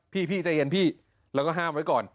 พี่ใจเย็นพี่แล้วก็ห้ามไว้ก่อน